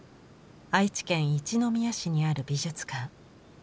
愛知県一宮市にある美術館。